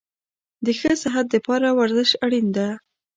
د ښه صحت دپاره ورزش اړین ده